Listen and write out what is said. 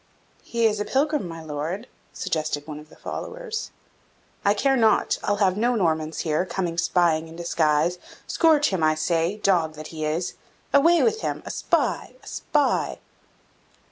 "He is a pilgrim, my Lord," suggested one of the followers. "I care not; I'll have no Normans here, coming spying in disguise. Scourge him, I say, dog that he is! Away with him! A spy, a spy!"